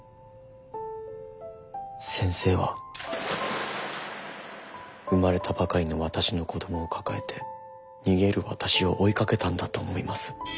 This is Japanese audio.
先生は生まれたばかりの私の子どもを抱えて逃げる私を追いかけたんだと思います。